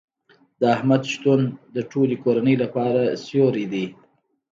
د احمد شتون د ټولې کورنۍ لپاره سیوری دی.